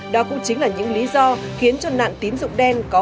đó cũng chính là những lý do khiến cho nạn tín dụng đen